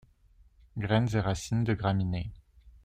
Graines et racines de graminés.